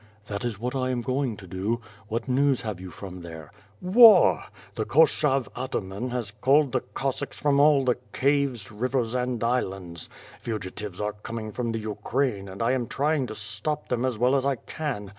"That is what I am going to do. What news have you from there?" "War! The Koshov Ataman has called the Cossacks from all the caves, rivers, and islands. Fugitives are coming from the Ukraine, and I am trying to stop them, as well as I can.